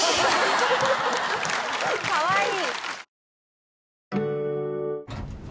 かわいい。